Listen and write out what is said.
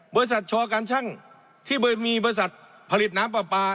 บริษัทช่อการช่างที่มีบริษัทผลิตน้ำปลา